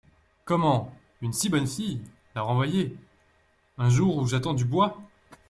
Comment ! une si bonne fille ! la renvoyer… un jour où j’attends du bois !